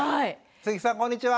鈴木さんこんにちは。